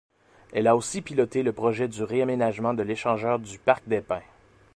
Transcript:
Elle a aussi piloté le projet du réaménagement de l'échangeur du Parc-des Pins.